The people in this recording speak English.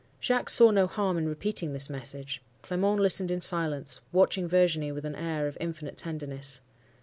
"Jacques saw no harm in repeating this message. Clement listened in silence, watching Virginie with an air of infinite tenderness.